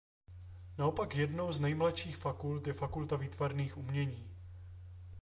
Naopak jednou z nejmladších fakult je fakulta výtvarných umění.